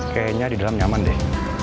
kayaknya di dalam nyaman deh